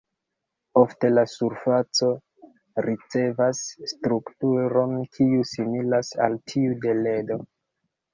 Ofte la surfaco ricevas strukturon kiu similas al tiu de ledo.